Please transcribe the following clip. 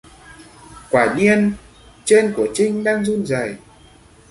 Quả nhiên trên của Trinh đang run rẩy